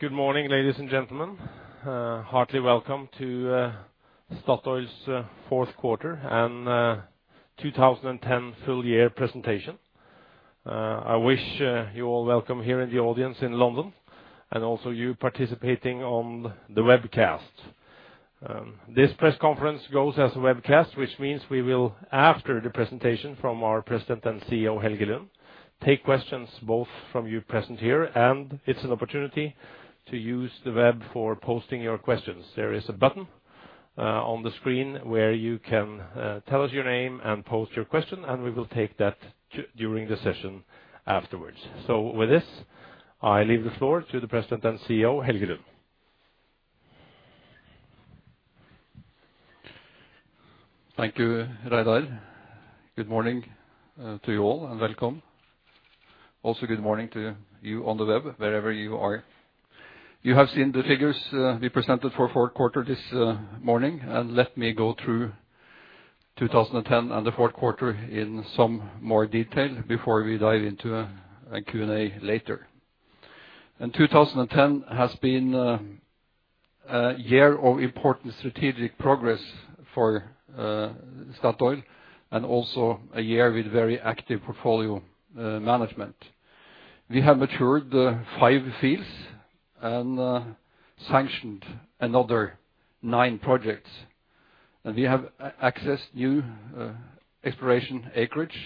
Good morning, ladies and gentlemen. Heartily welcome to Statoil's Fourth Quarter and 2010 Full Year Presentation. I wish you all welcome here in the audience in London, and also you participating on the webcast. This press conference goes as a webcast, which means we will, after the presentation from our President and CEO, Helge Lund, take questions both from you present here, and it's an opportunity to use the web for posting your questions. There is a button on the screen where you can tell us your name and pose your question, and we will take that during the session afterwards. With this, I leave the floor to the President and CEO, Helge Lund. Thank you, Reidar. Good morning to you all, and welcome. Also, good morning to you on the web, wherever you are. You have seen the figures we presented for fourth quarter this morning, and let me go through 2010 and the fourth quarter in some more detail before we dive into a Q&A later. 2010 has been a year of important strategic progress for Statoil, and also a year with very active portfolio management. We have matured five fields and sanctioned another nine projects. We have accessed new exploration acreage,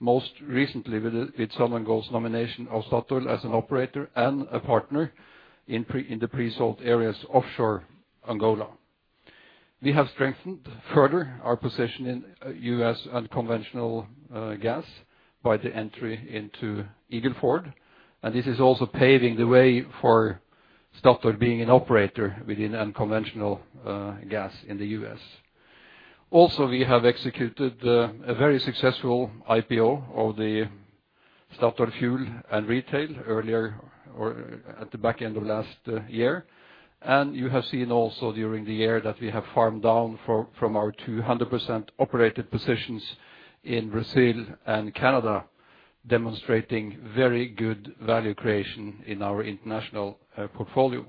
most recently with Sonangol's nomination of Statoil as an operator and a partner in the pre-salt areas offshore Angola. We have strengthened further our position in U.S. unconventional gas by the entry into Eagle Ford. This is also paving the way for Statoil being an operator within unconventional gas in the U.S. Also, we have executed a very successful IPO of the Statoil Fuel & Retail earlier or at the back end of last year. You have seen also during the year that we have farmed down from our 200% operated positions in Brazil and Canada, demonstrating very good value creation in our international portfolio.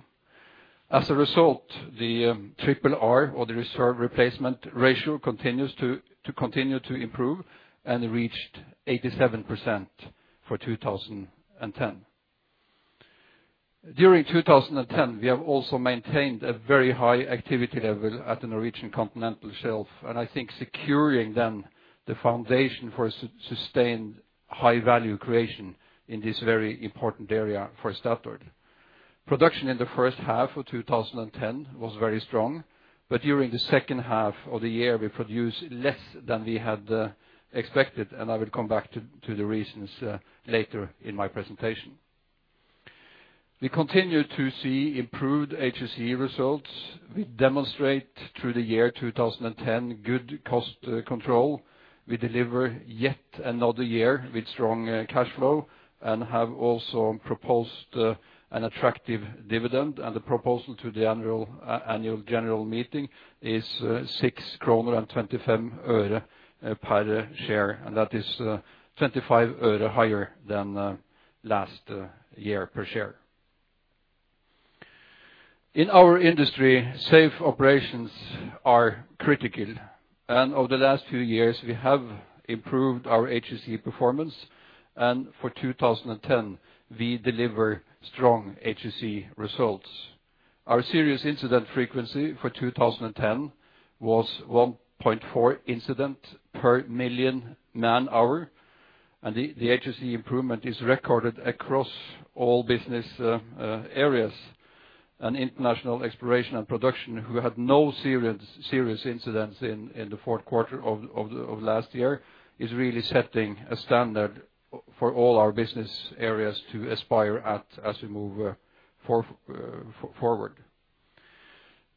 As a result, the triple R or the reserve replacement ratio continues to continue to improve and reached 87% for 2010. During 2010, we have also maintained a very high activity level at the Norwegian continental shelf, and I think securing then the foundation for sustained high value creation in this very important area for Statoil. Production in the first half of 2010 was very strong, but during the second half of the year, we produced less than we had expected, and I will come back to the reasons later in my presentation. We continue to see improved HSE results. We demonstrate through the year 2010 good cost control. We deliver yet another year with strong cash flow and have also proposed an attractive dividend. The proposal to the annual general meeting is 6.25 kroner per share, and that is NOK 0.25 higher than last year per share. In our industry, safe operations are critical. Over the last few years, we have improved our HSE performance, and for 2010, we deliver strong HSE results. Our serious incident frequency for 2010 was 1.4 incidents per million man-hours, and the HSE improvement is recorded across all business areas. International Exploration and Production, who had no serious incidents in the fourth quarter of last year, is really setting a standard for all our business areas to aspire to as we move forward.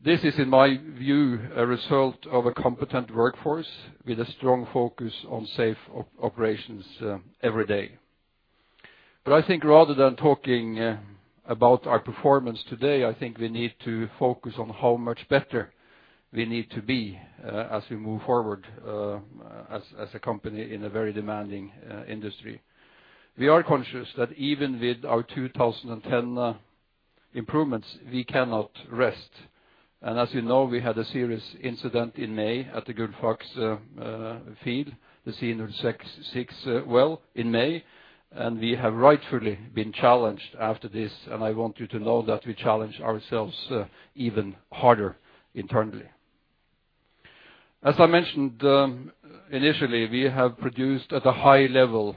This is, in my view, a result of a competent workforce with a strong focus on safe operations every day. I think rather than talking about our performance today, I think we need to focus on how much better we need to be as we move forward as a company in a very demanding industry. We are conscious that even with our 2010 improvements, we cannot rest. As you know, we had a serious incident in May at the Gullfaks field, the Gullfaks C-06A. We have rightfully been challenged after this, and I want you to know that we challenge ourselves even harder internally. As I mentioned initially, we have produced at a high level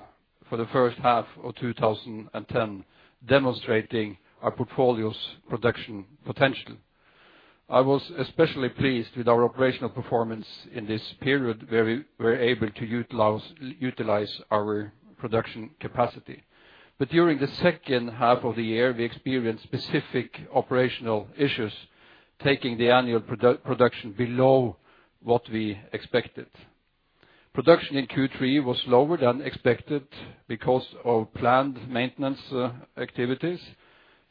for the first half of 2010, demonstrating our portfolio's production potential. I was especially pleased with our operational performance in this period where we were able to utilize our production capacity. During the second half of the year, we experienced specific operational issues, taking the annual production below what we expected. Production in Q3 was lower than expected because of planned maintenance activities,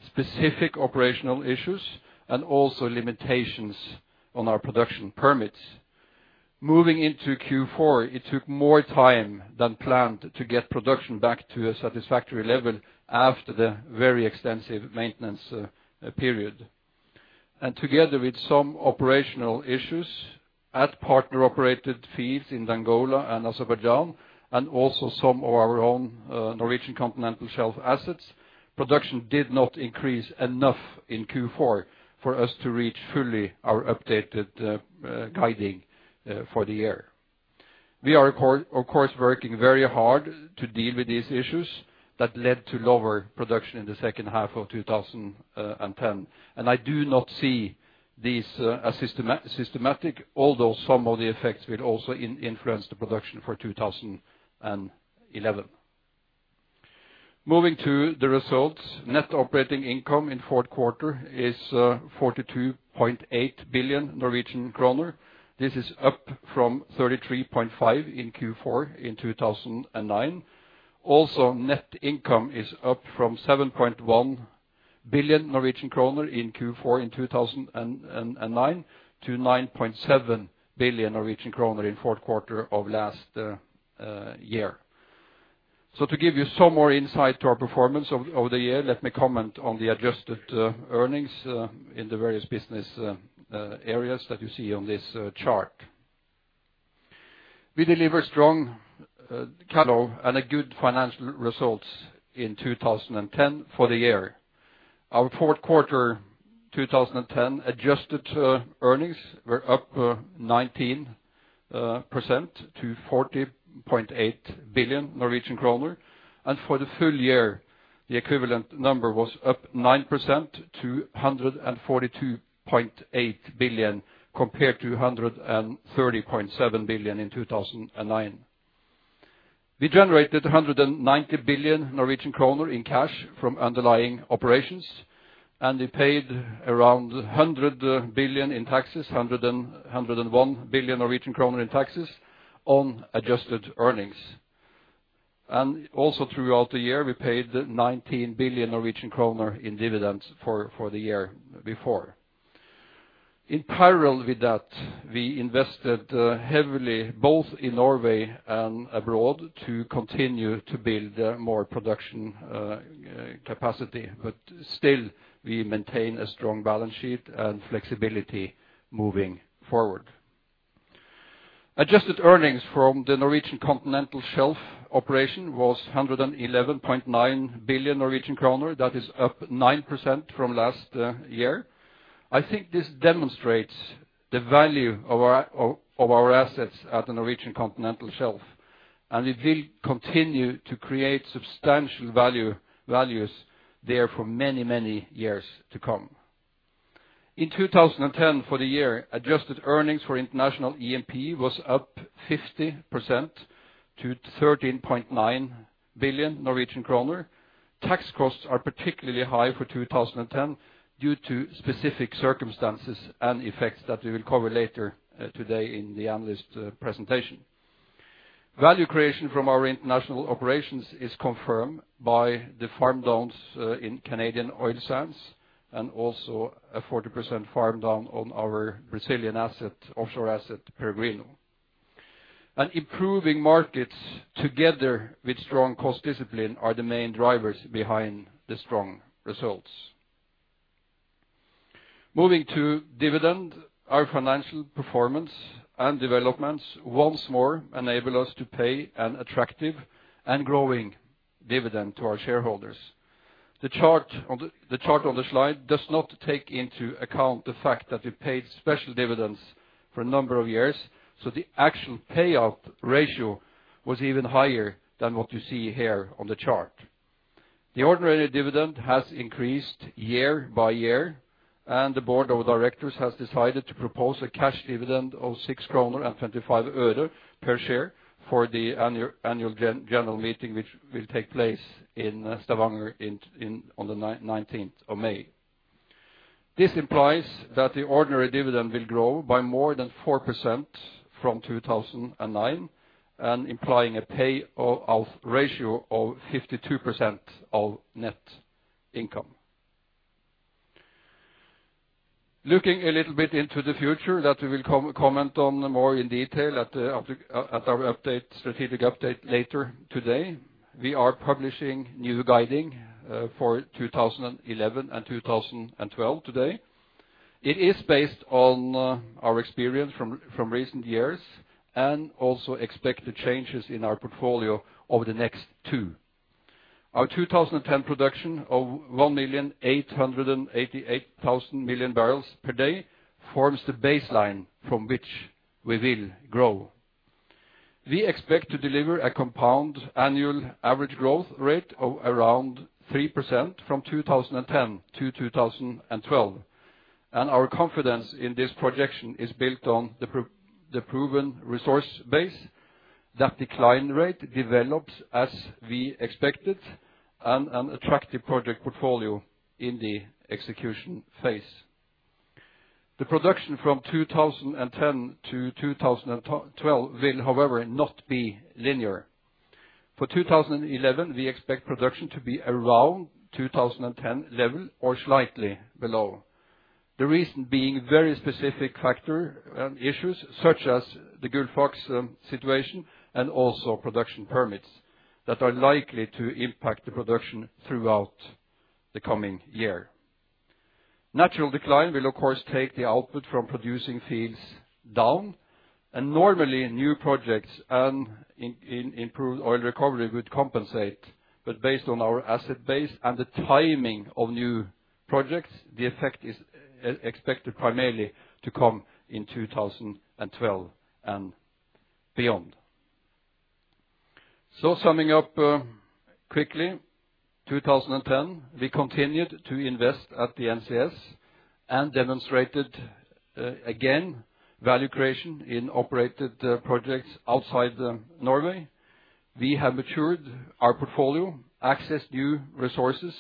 specific operational issues, and also limitations on our production permits. Moving into Q4, it took more time than planned to get production back to a satisfactory level after the very extensive maintenance period. Together with some operational issues at partner-operated fields in Angola and Azerbaijan, and also some of our own Norwegian Continental Shelf assets, production did not increase enough in Q4 for us to reach fully our updated guiding for the year. We are, of course, working very hard to deal with these issues that led to lower production in the second half of 2010, and I do not see these as systematic, although some of the effects will also influence the production for 2011. Moving to the results. Net operating income in fourth quarter is 42.8 billion Norwegian kroner. This is up from 33.5 billion in Q4 2009. Net income is up from 7.1 billion Norwegian kroner in Q4 2009 to 9.7 billion Norwegian kroner in fourth quarter of last year. To give you some more insight into our performance of the year, let me comment on the adjusted earnings in the various business areas that you see on this chart. We delivered strong cash flow and a good financial results in 2010 for the year. Fourth quarter 2010 adjusted earnings were up 19% to 40.8 billion Norwegian kroner. For the full year, the equivalent number was up 9% to 142.8 billion, compared to 130.7 billion in 2009. We generated 190 billion Norwegian kroner in cash from underlying operations, and we paid around 100 billion in taxes, 101 billion Norwegian kroner in taxes on adjusted earnings. Also throughout the year, we paid 19 billion Norwegian kroner in dividends for the year before. In parallel with that, we invested heavily both in Norway and abroad to continue to build more production capacity. Still, we maintain a strong balance sheet and flexibility moving forward. Adjusted earnings from the Norwegian Continental Shelf operation was 111.9 billion Norwegian kroner. That is up 9% from last year. I think this demonstrates the value of our assets at the Norwegian Continental Shelf, and we will continue to create substantial value there for many years to come. In 2010, for the year, adjusted earnings for international E&P was up 50% to 13.9 billion Norwegian kroner. Tax costs are particularly high for 2010 due to specific circumstances and effects that we will cover later today in the analyst presentation. Value creation from our international operations is confirmed by the farm downs in Canadian oil sands and also a 40% farm down on our Brazilian asset, offshore asset, Peregrino. Improving markets together with strong cost discipline are the main drivers behind the strong results. Moving to dividend, our financial performance and developments once more enable us to pay an attractive and growing dividend to our shareholders. The chart on the slide does not take into account the fact that we paid special dividends for a number of years, so the actual payout ratio was even higher than what you see here on the chart. The ordinary dividend has increased year by year, and the board of directors has decided to propose a cash dividend of 6.25 NOK per share for the annual general meeting, which will take place in Stavanger on the nineteenth of May. This implies that the ordinary dividend will grow by more than 4% from 2009 and implying a payout ratio of 52% of net income. Looking a little bit into the future that we will comment on more in detail at our strategic update later today, we are publishing new guidance for 2011 and 2012 today. It is based on our experience from recent years and also expected changes in our portfolio over the next two. Our 2010 production of 1.888 million barrels per day forms the baseline from which we will grow. We expect to deliver a compound annual average growth rate of around 3% from 2010 to 2012, and our confidence in this projection is built on the proven resource base. That decline rate develops as we expected and an attractive project portfolio in the execution phase. The production from 2010 to 2012 will, however, not be linear. For 2011, we expect production to be around 2010 level or slightly below. The reason being very specific factor and issues such as the Gullfaks situation and also production permits that are likely to impact the production throughout the coming year. Natural decline will, of course, take the output from producing fields down, and normally new projects and improved oil recovery would compensate. But based on our asset base and the timing of new projects, the effect is expected primarily to come in 2012 and beyond. Summing up, quickly, 2010, we continued to invest at the NCS and demonstrated again, value creation in operated projects outside Norway. We have matured our portfolio, accessed new resources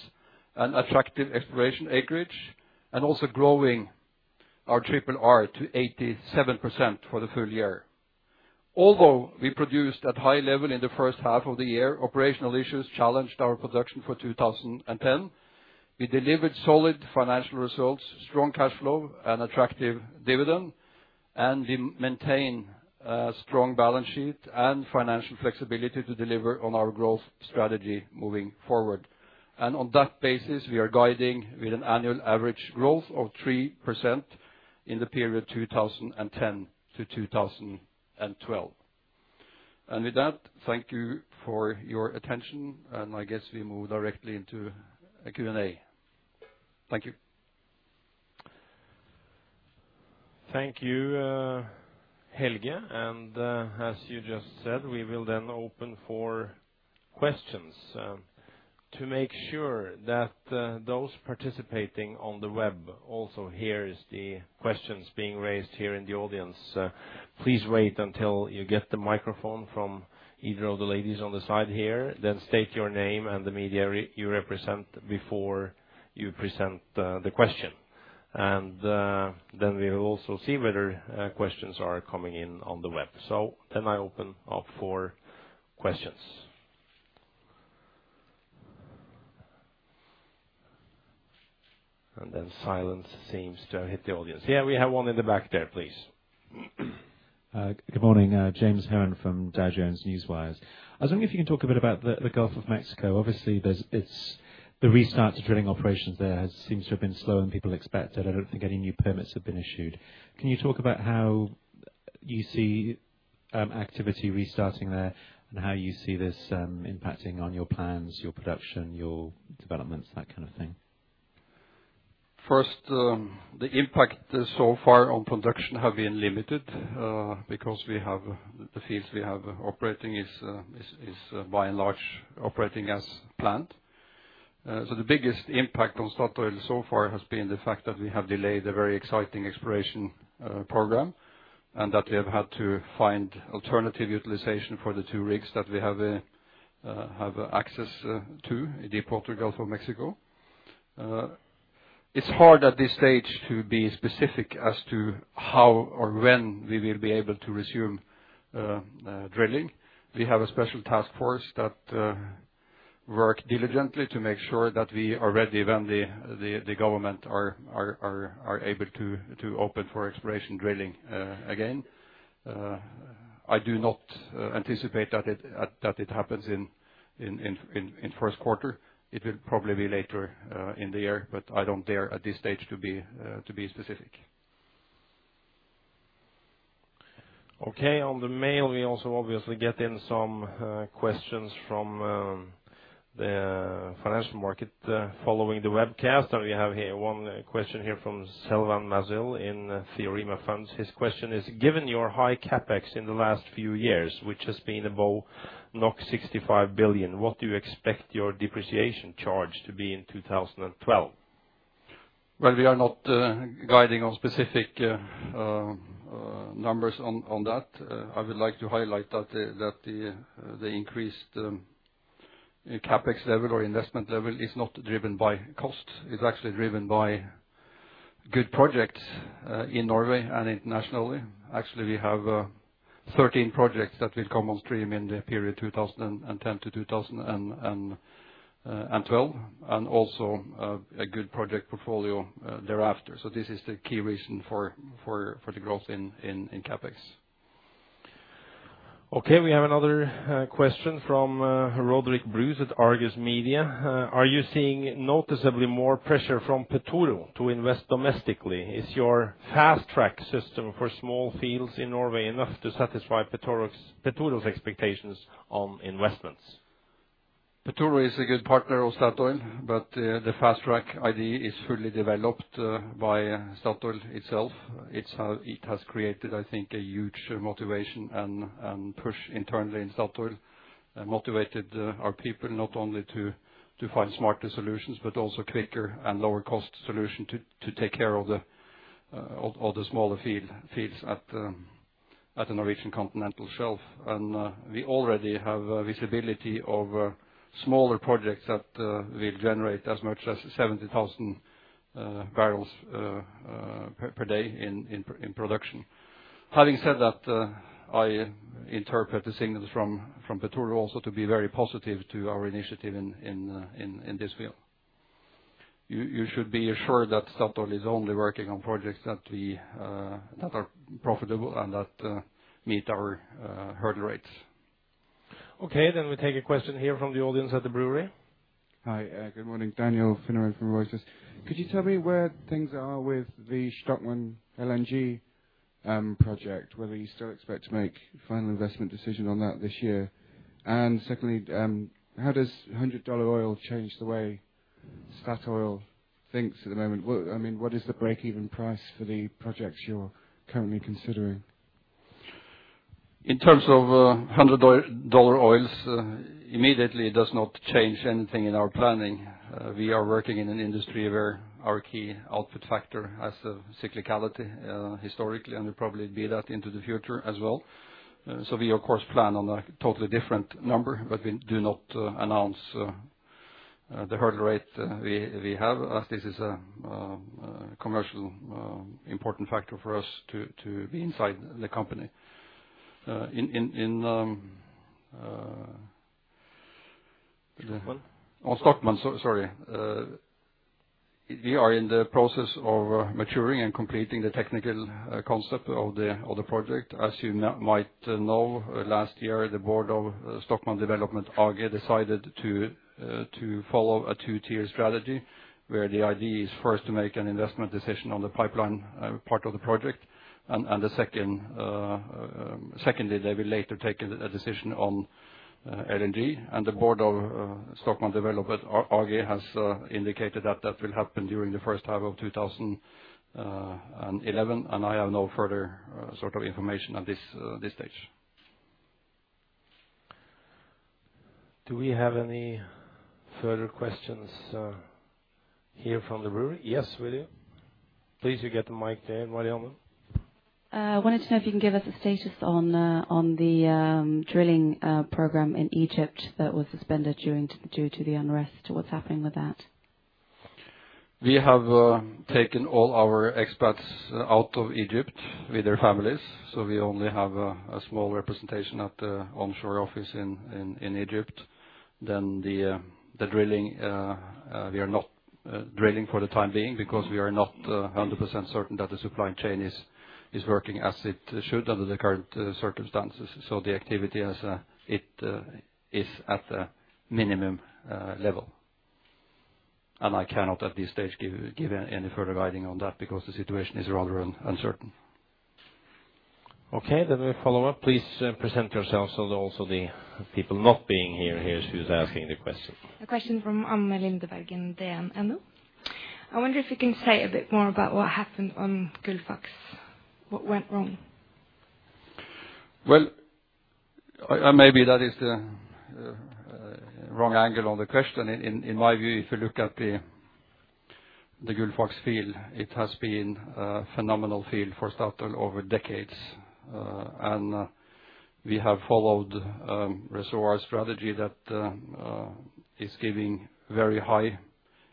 and attractive exploration acreage, and also growing our triple R to 87% for the full year. Although we produced at high level in the first half of the year, operational issues challenged our production for 2010. We delivered solid financial results, strong cash flow and attractive dividend, and we maintain a strong balance sheet and financial flexibility to deliver on our growth strategy moving forward. On that basis, we are guiding with an annual average growth of 3% in the period 2010 to 2012. With that, thank you for your attention. I guess we move directly into a Q&A. Thank you. Thank you, Helge. As you just said, we will then open for questions. To make sure that those participating on the web also hears the questions being raised here in the audience, please wait until you get the microphone from either of the ladies on the side here, then state your name and the media you represent before you present the question. Then we will also see whether questions are coming in on the web. Then I open up for questions. Then silence seems to hit the audience. Yeah, we have one in the back there, please. Good morning. James Herron from Dow Jones Newswires. I was wondering if you can talk a bit about the Gulf of Mexico. Obviously, it's the restart to drilling operations there has seemed to have been slower than people expected. I don't think any new permits have been issued. Can you talk about how you see activity restarting there, and how you see this impacting on your plans, your production, your developments, that kind of thing? First, the impact so far on production have been limited, because we have the fields we have operating is by and large operating as planned. The biggest impact on Statoil so far has been the fact that we have delayed a very exciting exploration program, and that we have had to find alternative utilization for the 2 rigs that we have access to in the Gulf of Mexico. It's hard at this stage to be specific as to how or when we will be able to resume drilling. We have a special task force that work diligently to make sure that we are ready when the government are able to open for exploration drilling again. I do not anticipate that it happens in first quarter. It will probably be later in the year, but I don't dare at this stage to be specific. Okay. On email, we also obviously get in some questions from the financial market following the webcast. We have here one question here from Selvan Masil in Theorema Funds. His question is: Given your high CapEx in the last few years, which has been above 65 billion, what do you expect your depreciation charge to be in 2012? Well, we are not guiding on specific numbers on that. I would like to highlight that the increased CapEx level or investment level is not driven by cost. It's actually driven by good projects in Norway and internationally. Actually, we have 13 projects that will come on stream in the period 2010 to 2012, and also a good project portfolio thereafter. This is the key reason for the growth in CapEx. Okay. We have another question from Roderick Brewis at Argus Media. Are you seeing noticeably more pressure from Petoro to invest domestically? Is your fast-track system for small fields in Norway enough to satisfy Petoro's expectations on investments? Petoro is a good partner of Statoil, but the fast-track idea is fully developed by Statoil itself. It has created, I think, a huge motivation and push internally in Statoil and motivated our people not only to find smarter solutions, but also quicker and lower cost solution to take care of the smaller fields at the Norwegian Continental Shelf. We already have visibility of smaller projects that will generate as much as 70,000 barrels per day in production. Having said that, I interpret the signals from Petoro also to be very positive to our initiative in this field. You should be assured that Statoil is only working on projects that are profitable and that meet our hurdle rates. Okay, we take a question here from the audience at The Brewery. Hi, good morning. Daniel Fineren from Reuters. Could you tell me where things are with the Shtokman LNG project, whether you still expect to make final investment decision on that this year? Secondly, how does $100 oil change the way Statoil thinks at the moment? I mean, what is the break-even price for the projects you're currently considering? In terms of $100 oil, immediately it does not change anything in our planning. We are working in an industry where our key output factor has a cyclicality, historically, and will probably be that into the future as well. We of course plan on a totally different number, but we do not announce the hurdle rate. We have, as this is a commercially important factor for us to be inside the company. Shtokman. On Shtokman. We are in the process of maturing and completing the technical concept of the project. As you might know, last year, the board of Shtokman Development AG decided to follow a two-tier strategy, where the idea is first to make an investment decision on the pipeline part of the project. Secondly, they will later take a decision on LNG. The board of Shtokman Development AG has indicated that will happen during the first half of 2011, and I have no further sort of information at this stage. Do we have any further questions here from The Brewery? Yes, we do. Please you get the mic there, my dear man. Wanted to know if you can give us a status on the drilling program in Egypt that was suspended due to the unrest. What's happening with that? We have taken all our expats out of Egypt with their families, so we only have a small representation at the onshore office in Egypt. The drilling we are not drilling for the time being because we are not 100% certain that the supply chain is working as it should under the current circumstances. The activity as it is at a minimum level. I cannot at this stage give any further guidance on that because the situation is rather uncertain. Okay, we follow up. Please present yourselves so that also the people not being here, hear who's asking the question. A question from Anne-Grethe Lindberg, Dagens Næringsliv. I wonder if you can say a bit more about what happened on Gullfaks. What went wrong? Well, maybe that is the wrong angle on the question. In my view, if you look at the Gullfaks field, it has been a phenomenal field for Statoil over decades. We have followed reservoir strategy that is giving very high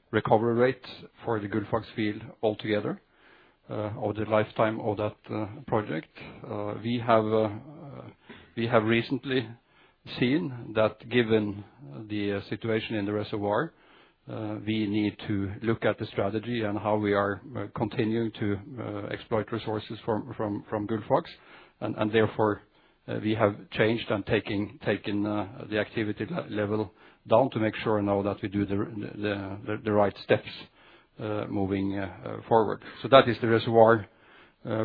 recovery rates for the Gullfaks field altogether, or the lifetime of that project. We have recently seen that given the situation in the reservoir, we need to look at the strategy and how we are continuing to exploit resources from Gullfaks. Therefore, we have changed and taken the activity level down to make sure now that we do the right steps moving forward. That is the reservoir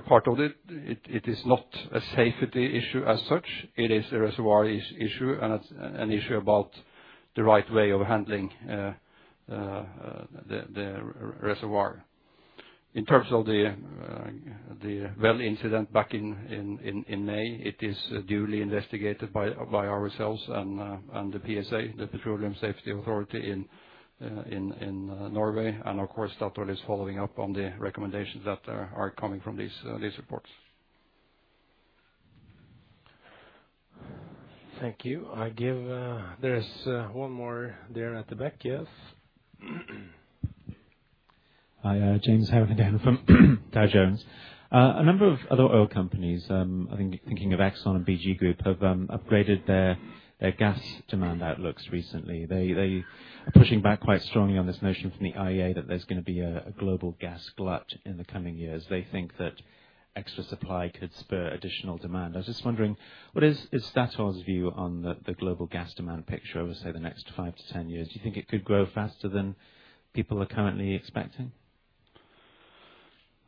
part of it. It is not a safety issue as such. It is a reservoir issue and it's an issue about the right way of handling the reservoir. In terms of the well incident back in May, it is duly investigated by ourselves and the PSA, the Petroleum Safety Authority in Norway. Of course, Statoil is following up on the recommendations that are coming from these reports. Thank you. There's one more there at the back. Yes. Hi, James Herron from Dow Jones. A number of other oil companies, I think thinking of Exxon and BG Group, have upgraded their gas demand outlooks recently. They are pushing back quite strongly on this notion from the IEA that there's gonna be a global gas glut in the coming years. They think that extra supply could spur additional demand. I was just wondering, what is Statoil's view on the global gas demand picture over, say, the next five to 10 years? Do you think it could grow faster than people are currently expecting?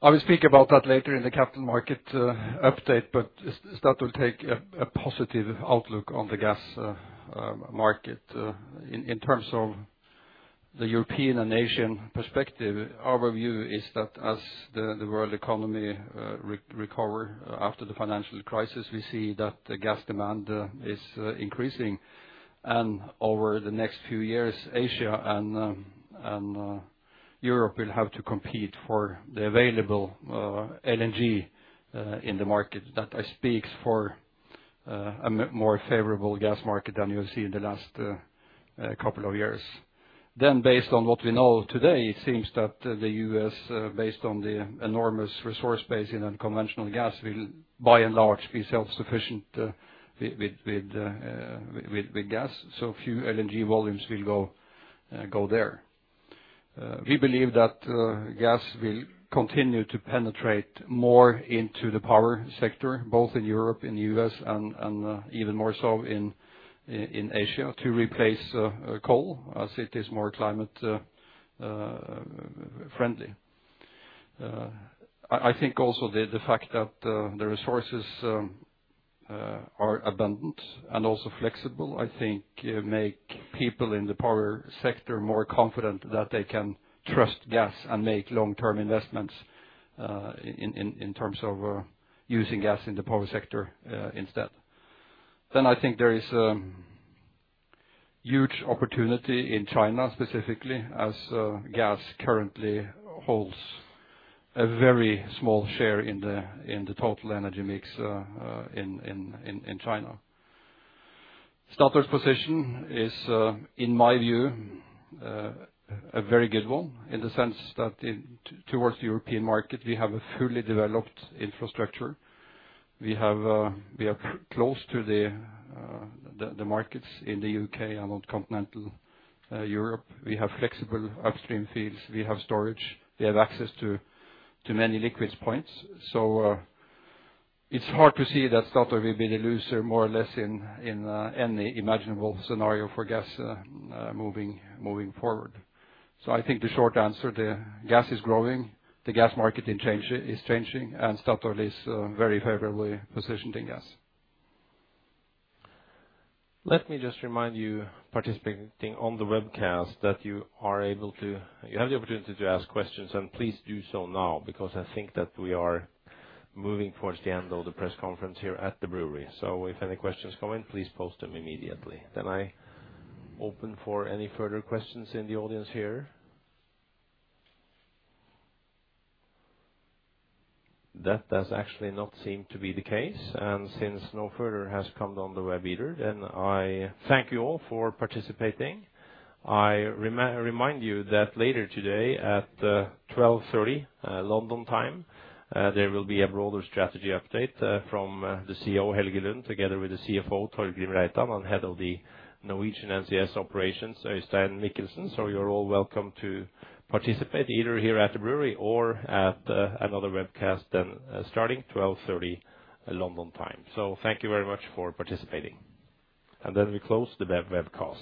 I will speak about that later in the capital market update, but Statoil takes a positive outlook on the gas market. In terms of the European and Asian perspective, our view is that as the world economy recovers after the financial crisis, we see that the gas demand is increasing. Over the next few years, Asia and Europe will have to compete for the available LNG in the market. That speaks for a more favorable gas market than you have seen in the last couple of years. Based on what we know today, it seems that the U.S., based on the enormous resource base in unconventional gas, will by and large be self-sufficient with gas. A few LNG volumes will go there. We believe that gas will continue to penetrate more into the power sector, both in Europe and U.S. and even more so in Asia to replace coal as it is more climate friendly. I think also the fact that the resources are abundant and also flexible, I think make people in the power sector more confident that they can trust gas and make long-term investments in terms of using gas in the power sector instead. I think there is huge opportunity in China, specifically as gas currently holds a very small share in the total energy mix in China. Statoil's position is, in my view, a very good one in the sense that towards the European market, we have a fully developed infrastructure. We are close to the markets in the U.K. and on continental Europe. We have flexible upstream feeds, we have storage, we have access to many liquids points. It's hard to see that Statoil will be the loser, more or less, in any imaginable scenario for gas, moving forward. I think the short answer, the gas is growing, the gas market is changing, and Statoil is very favorably positioned in gas. Let me just remind you participating on the webcast that you have the opportunity to ask questions, and please do so now because I think that we are moving towards the end of the press conference here at The Brewery. If any questions come in, please post them immediately. I open for any further questions in the audience here. That does actually not seem to be the case. Since no further has come down the web either, I thank you all for participating. I remind you that later today at 12:30 P.M. London time, there will be a broader strategy update from the CEO, Helge Lund, together with the CFO, Torgrim Reitan, and head of the Norwegian NCS operations, Øystein Michelsen. You're all welcome to participate either here at The Brewery or at another webcast then starting 12:30 P.M. London time. Thank you very much for participating. We close the webcast.